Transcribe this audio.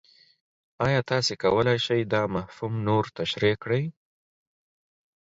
ایا تاسو کولی شئ دا مفهوم نور تشریح کړئ؟